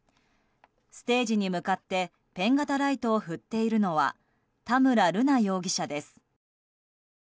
ステージに向かってペン型ライトを振っているのは田村瑠奈容疑者です。